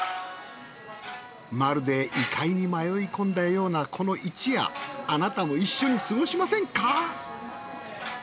まるで異界に迷い込んだようなこの一夜あなたも一緒に過ごしませんか？